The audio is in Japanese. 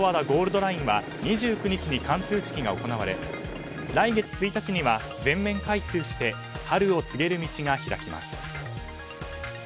ゴールドラインは２９日に貫通式が行われ来月１日には全面開通して春を告げる道が開きます。